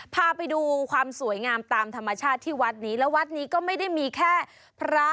พาไปดูความสวยงามตามธรรมชาติที่วัดนี้แล้ววัดนี้ก็ไม่ได้มีแค่พระ